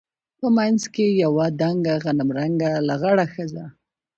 په منځ کښې يوه دنګه غنم رنګه لغړه ښځه.